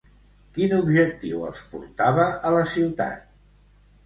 Quin objectiu els portava a la ciutat?